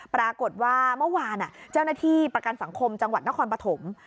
ปรากฏว่าเมื่อวานเจ้าหน้าที่ประกันสังคมจังหวัดนครปฐม